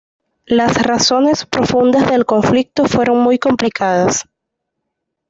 Las razones profundas del conflicto fueron muy complicadas.